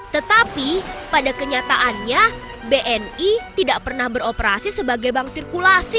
tetapi pada kenyataannya bni tidak pernah beroperasi sebagai bank sirkulasi